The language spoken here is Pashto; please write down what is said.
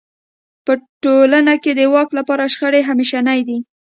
په ټولنو کې د واک لپاره شخړې همېشنۍ دي.